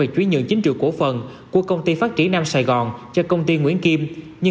việc truy nhượng chính trường cổ phần của công ty phát triển nam sài gòn cho công ty nguyễn kim nhưng